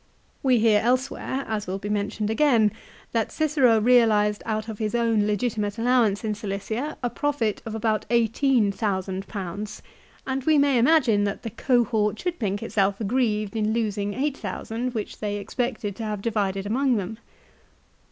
We hear elsewhere, as will be mentioned again, that Cicero realised out of his own legitimate allowance in Cilicia a profit of about 18,000 ; and we may imagine that the " cohort " should think itself aggrieved in losing 8,000 which they expected to have divided among them.